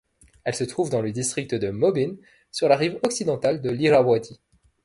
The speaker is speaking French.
Elle se trouve dans le district de Maubin, sur la rive occidentale de l'Irrawaddy.